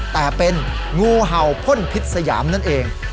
แต่เป็นงูเห่าพ่นพิษสยามนั่นเอง